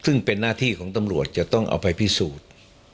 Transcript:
ซึ่งเป็นหน้าที่ของตำรวจจะต้องเอาไปพิสูจน์